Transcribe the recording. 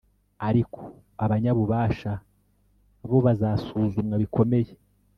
ariko abanyabubasha bo bazasuzumwa bikomeye.